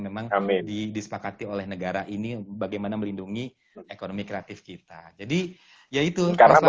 memang kami disepakati oleh negara ini bagaimana melindungi ekonomi kreatif kita jadi yaitu karena